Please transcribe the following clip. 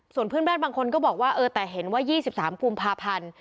ส่วนเพื่อนบ้านบางคนก็บอกว่าเออแต่เห็นว่า๒๓กุมภาพันธ์